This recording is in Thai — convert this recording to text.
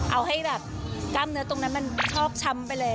เอาให้แบบกล้ามเนื้อตรงนั้นมันชอกช้ำไปเลย